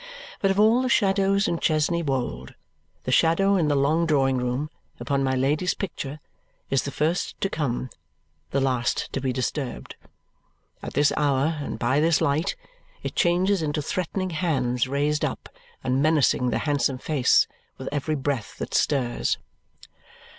But of all the shadows in Chesney Wold, the shadow in the long drawing room upon my Lady's picture is the first to come, the last to be disturbed. At this hour and by this light it changes into threatening hands raised up and menacing the handsome face with every breath that stirs.